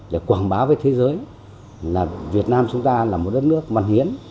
để quảng bá với thế giới là việt nam chúng ta là một đất nước văn hiến